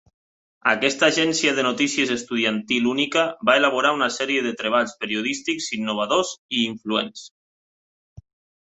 Aquesta agència de notícies estudiantil única va elaborar una sèrie de treballs periodístics innovadors i influents.